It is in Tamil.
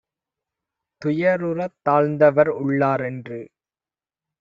துயருறத் தாழ்ந்தவர் உள்ளார் - என்று